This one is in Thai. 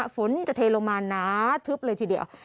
ฝนจะเทลงมาหนาทึบเลยทีเดียว